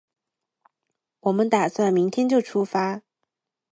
我们打算明天就出发